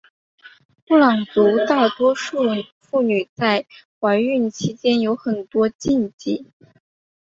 布朗族大多数妇女在怀孕期间有很多禁忌。